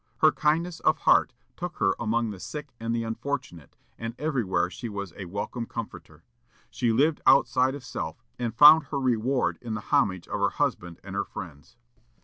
Her kindness of heart took her among the sick and the unfortunate, and everywhere she was a welcome comforter. She lived outside of self, and found her reward in the homage of her husband and her friends.